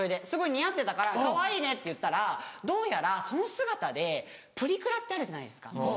すごい似合ってたから「かわいいね」って言ったらどうやらその姿でプリクラってあるじゃないですか。